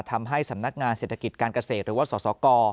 ทำให้สำนักงานเศรษฐกิจการเกษตรหรือว่าสสก